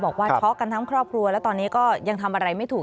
บอกว่าช็อกกันทั้งครอบครัวและตอนนี้ก็ยังทำอะไรไม่ถูก